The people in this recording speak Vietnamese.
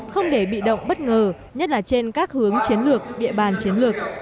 không để bị động bất ngờ nhất là trên các hướng chiến lược địa bàn chiến lược